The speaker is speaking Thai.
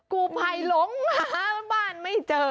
กู้ภัยหลงมาบ้านไม่เจอ